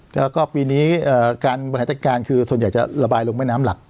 แล้วก็ปีนี้การบริหารจัดการคือส่วนใหญ่จะระบายลงแม่น้ำหลัก